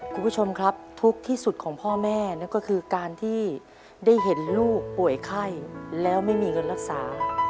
คุณผู้ชมครับทุกข์ที่สุดของพ่อแม่นั่นก็คือการที่ได้เห็นลูกป่วยไข้แล้วไม่มีเงินรักษา